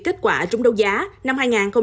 kết quả trúng đấu giá năm hai nghìn hai mươi ba